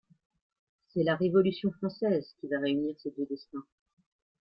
C'est la Révolution française qui va réunir ces deux destins.